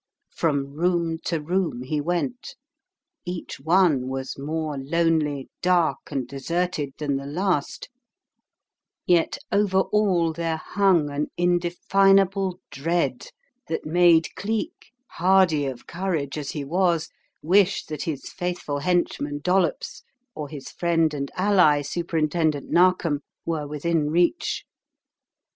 From room to room he went. Each one was more lonely, dark, and deserted than the last, yet over all there hung an indefinable dread 22 The Riddle of the Purple Emperor that made Cleek, hardy of courage as he was, wish that his faithful henchman Dollops, or his friend and ally Superintendent Narkom, were within reach.